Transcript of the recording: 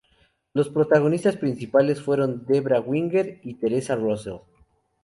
Los protagonistas principales fueron Debra Winger y Theresa Russell.